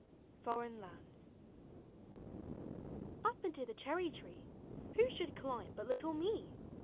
FOREIGN LANDS. Up into the clierrv tree Who should climb but little me?